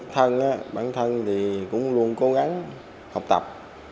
thân bản thân thì cũng luôn cố gắng học tập